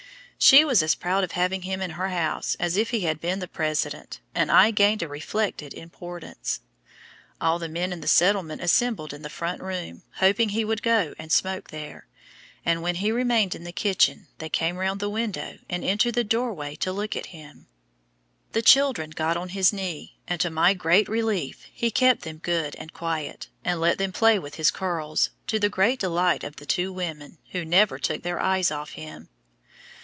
She was as proud of having him in her house as if he had been the President, and I gained a reflected importance! All the men in the settlement assembled in the front room, hoping he would go and smoke there, and when he remained in the kitchen they came round the window and into the doorway to look at him. The children got on his knee, and, to my great relief, he kept them good and quiet, and let them play with his curls, to the great delight of the two women, who never took their eyes off him.